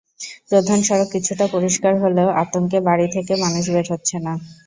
প্রধান সড়ক কিছুটা পরিষ্কার হলেও আতঙ্কে বাড়ি থেকে মানুষ বের হচ্ছে না।